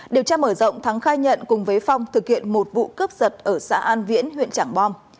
điều tra mở rộng thắng khai nhận cùng với phong thực hiện một vụ cướp giật ở xã an viễn huyện trảng bom